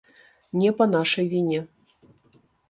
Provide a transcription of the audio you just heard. Не па нашай віне.